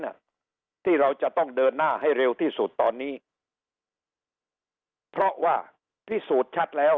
เนี่ยที่เราจะต้องเดินหน้าให้เร็วที่สุดตอนนี้เพราะว่าพิสูจน์ชัดแล้ว